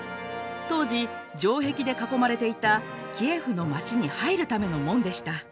当時城壁で囲まれていたキエフの街に入るための門でした。